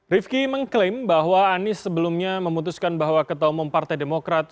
rifki mengklaim bahwa anis sebelumnya memutuskan bahwa ketelmung partai demokrat